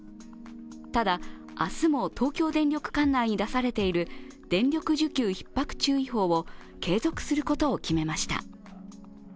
ただ明日も、東京電力管内に出されている電力需給ひっ迫注意報を継続することを決めました。